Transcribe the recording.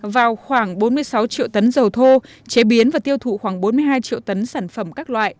vào khoảng bốn mươi sáu triệu tấn dầu thô chế biến và tiêu thụ khoảng bốn mươi hai triệu tấn sản phẩm các loại